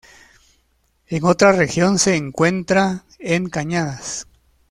En otra región se encuentra en cañadas.